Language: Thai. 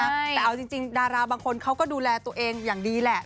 แต่เอาจริงดาราบางคนเขาก็ดูแลตัวเองอย่างดีแหละ